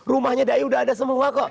rumahnya dae udah ada semua kok